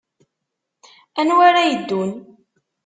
Anwa ara yeddun?